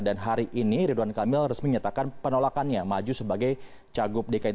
dan hari ini ridwan kamil resmi menyatakan penolakannya maju sebagai cagup dki